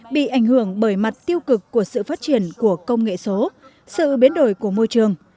bị ảnh hưởng bởi mặt tiêu cực của sự phát triển của công nghệ số sự biến đổi của môi trường